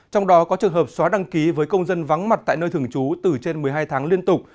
trong đó có trường hợp xóa đăng ký với công dân vắng mặt tại nơi thường trú từ trên một mươi hai tháng liên tục